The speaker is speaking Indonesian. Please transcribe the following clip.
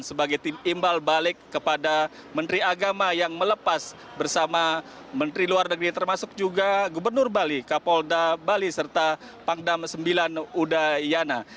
sebagai tim imbal balik kepada menteri agama yang melepas bersama menteri luar negeri termasuk juga gubernur bali kapolda bali serta pangdam sembilan udayana